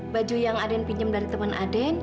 baju yang aden pinjam dari teman aden